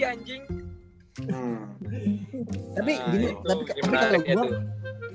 nah itu menariknya tuh